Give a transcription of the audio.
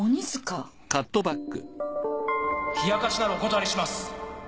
冷やかしならお断りします！